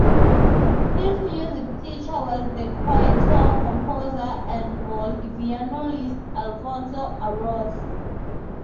His music teacher was the Quito composer and violinist Alfonso Arauz.